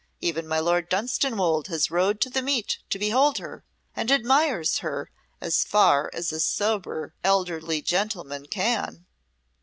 Even my Lord Dunstanwolde has rode to the meet to behold her, and admires her as far as a sober elderly gentleman can."